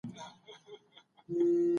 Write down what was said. د هري پېښې تر شا منطق ولټوه.